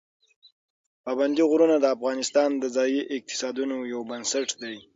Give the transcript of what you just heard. پابندي غرونه د افغانستان د ځایي اقتصادونو یو بنسټ دی.